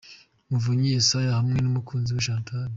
Muvunyi Yesaya hamwe n'umukunzi we Chantal.